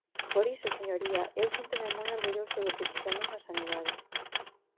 Por iso, señoría, eu síntome moi orgulloso do que fixemos na sanidade.